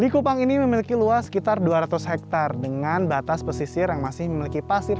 di kupang ini memiliki luas sekitar dua ratus hektare dengan batas pesisir yang masih memiliki pasir